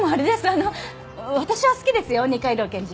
あの私は好きですよ二階堂検事。